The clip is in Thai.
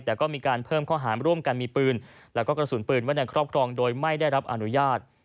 แต่ก็มีการเพิ่มข้อหารร่วมกันมีปืนแล้วก็กระสุนปืนไว้ในครอบครองโดยไม่ได้รับอนุญาต